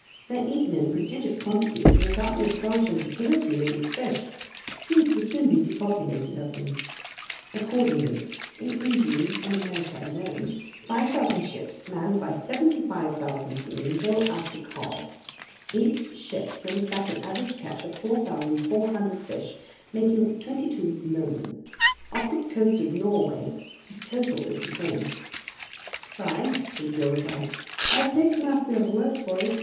They're eaten in prodigious quantities, and without the astonishing fertility of these fish, the seas would soon be depopulated of them. Accordingly, in England and America alone, 5,000 ships manned by 75,000 seamen go after cod. Each ship brings back an average catch of 4,400 fish, making 22,000,000. Off the coast of Norway, the total is the same." "Fine," Conseil replied, "I'll take master's word for it.